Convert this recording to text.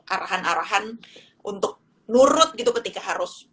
arahan arahan untuk nurut gitu ketika harus